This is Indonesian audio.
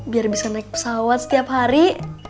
biar bisa naik pesawat setiap hari